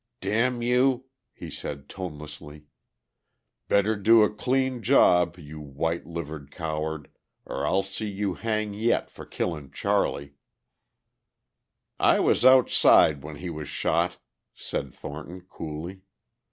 "Damn you," he said tonelessly. "Better do a clean job, you white livered coward, or I'll see you hang yet for killin' Charlie...." "I was outside when he was shot," said Thornton coolly.